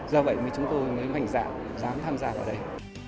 do vậy thì chúng tôi mới mạnh dạng dám tham gia vào đây